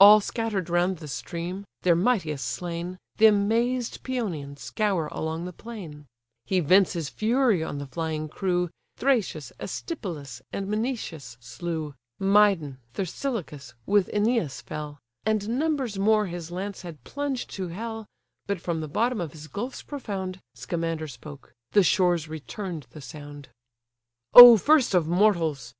All scatter'd round the stream (their mightiest slain) The amazed Pæonians scour along the plain; He vents his fury on the flying crew, Thrasius, Astyplus, and Mnesus slew; Mydon, Thersilochus, with Ænius, fell; And numbers more his lance had plunged to hell, But from the bottom of his gulfs profound Scamander spoke; the shores return'd the sound. "O first of mortals!